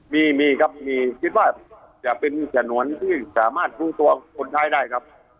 มีมีครับมีคิดว่าจะเป็นฉนวนที่สามารถรู้ตัวคนร้ายได้ครับ